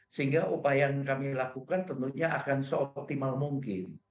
sehingga upaya yang kami lakukan tentunya akan seoptimal mungkin